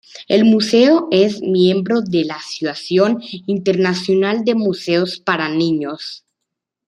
El museo es miembro de la Asociación Internacional de Museos para niños.